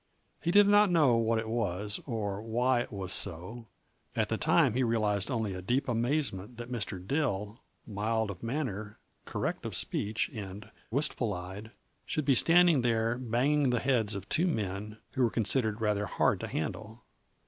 He did not know what it was, or why it was so; at the time he realized only a deep amazement that Mr. Dill, mild of manner, correct of speech and wistful eyed, should be standing there banging the heads of two men who were considered rather hard to handle.